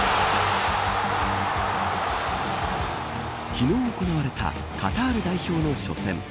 昨日行われたカタール代表の初戦。